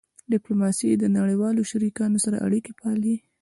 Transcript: ډیپلوماسي د نړیوالو شریکانو سره اړیکې پالي.